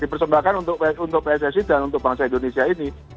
dipersembahkan untuk pssi dan untuk bangsa indonesia ini